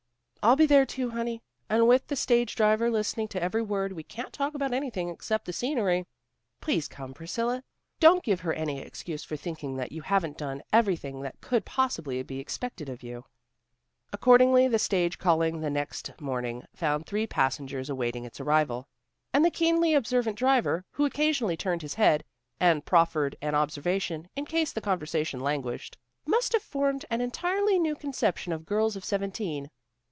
"I'll be there too, honey, and with the stage driver listening to every word, we can't talk about anything except the scenery. Please come, Priscilla. Don't give her any excuse for thinking that you haven't done everything that could possibly be expected of you." Accordingly, the stage calling the next morning found three passengers awaiting its arrival, and the keenly observant driver, who occasionally turned his head, and proffered an observation, in case the conversation languished, must have formed an entirely new conception of girls of seventeen.